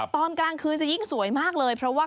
ตอนกลางคืนจะยิ่งสวยมากเลยเพราะว่า